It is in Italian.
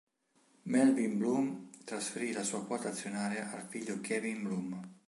Melvin Blume trasferì la sua quota azionaria al figlio Kevin Blume.